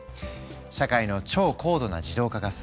社会の超高度な自動化が進み